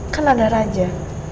kan ada raja